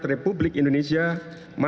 cara melakukan description